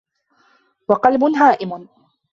وَقَلْبٌ هَائِمٌ